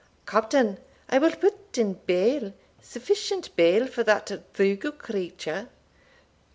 Captain, I will put in bail sufficient bail, for that Dougal creature."